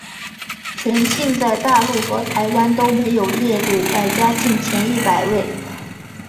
全姓在大陆和台湾都没有列入百家姓前一百位。